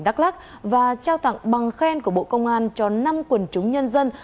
đắk lắc và trao tặng bằng khen của bộ công an cho năm quần chúng nhân dân